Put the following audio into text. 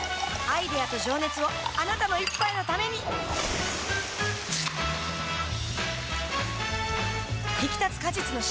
アイデアと情熱をあなたの一杯のためにプシュッ！